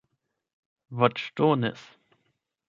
voĉdonis